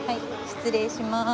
失礼します。